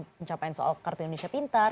pencapaian soal kartu indonesia pintar